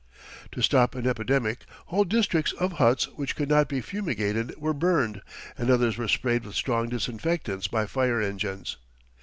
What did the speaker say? To stop an epidemic whole districts of huts which could not be fumigated were burned and others were sprayed with strong disinfectants by fire engines.